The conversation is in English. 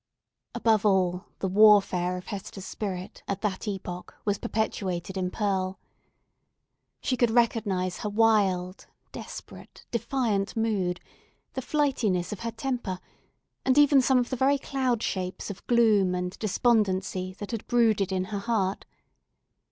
Above all, the warfare of Hester's spirit at that epoch was perpetuated in Pearl. She could recognize her wild, desperate, defiant mood, the flightiness of her temper, and even some of the very cloud shapes of gloom and despondency that had brooded in her heart.